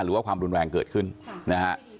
หรือว่าความรุนแรงเกิดขึ้นนะฮะ